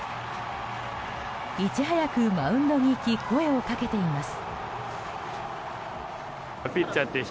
いち早くマウンドに行き声をかけています。